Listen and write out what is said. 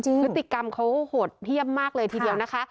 พฤติกรรมเขาโหดเยี่ยมมากเลยทีเดียวนะคะ